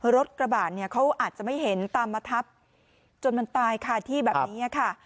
รถกระบะเนี่ยเขาอาจจะไม่เห็นตามมาทับจนมันตายคาที่แบบนี้ค่ะ